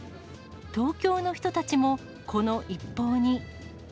東京の人たちも、この一報に。